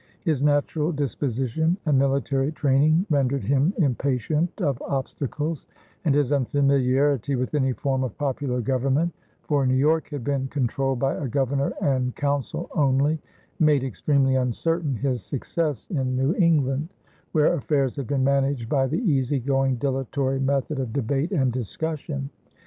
His natural disposition and military training rendered him impatient of obstacles, and his unfamiliarity with any form of popular government for New York had been controlled by a governor and council only made extremely uncertain his success in New England, where affairs had been managed by the easy going, dilatory method of debate and discussion.